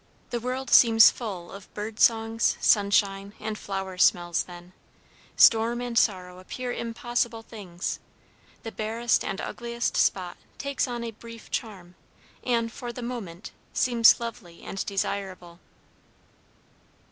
The world seems full of bird songs, sunshine, and flower smells then; storm and sorrow appear impossible things; the barest and ugliest spot takes on a brief charm and, for the moment, seems lovely and desirable.